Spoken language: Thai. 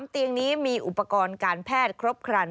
เตียงนี้มีอุปกรณ์การแพทย์ครบครัน